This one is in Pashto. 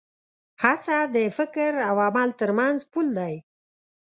هڅه د فکر او عمل تر منځ پُل دی.